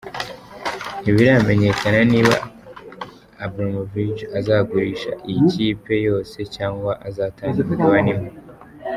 Ntibiramenyekana niba Abramovich azagurisha iyi kipe yose cyanga azatanga imigabane imwe.